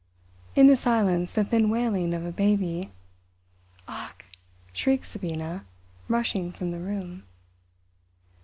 In the silence the thin wailing of a baby. "Achk!" shrieked Sabina, rushing from the room.